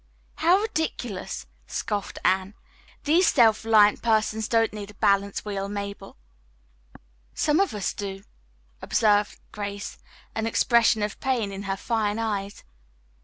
"How ridiculous!" scoffed Anne. "These self reliant persons don't need a balance wheel, Mabel." "Some of us do," observed Grace, an expression of pain in her fine eyes.